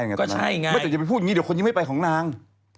ไม่แต่อย่าไปพูดอย่างนี้เดี๋ยวคนเล่าไม่ไปของนาง